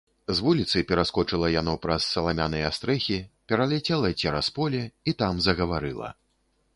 З вуліцы пераскочыла яно праз саламяныя стрэхі, пераляцела цераз поле і там загаварыла.